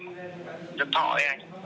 nhân thọ ấy anh